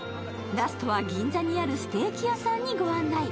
ラストは銀座にあるステーキ屋さんにご案内。